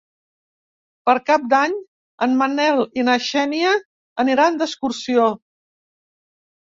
Per Cap d'Any en Manel i na Xènia aniran d'excursió.